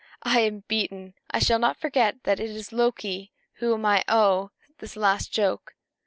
"I am beaten. I shall not forget that it is Loki to whom I owe this last joke.